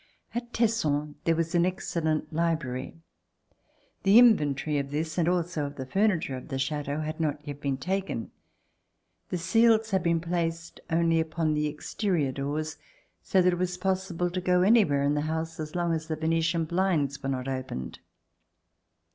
At Tesson there was an excellent library. The In ventory of this and also of the furniture of the Chateau had not yet been taken. The seals had been placed only upon the exterior doors, so that It was possible to go anywhere in the house as long as the Venetian blinds were not opened.